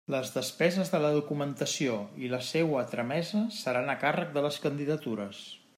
Les despeses de la documentació i la seua tramesa seran a càrrec de les candidatures.